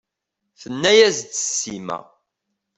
Tenne-as-d Sima.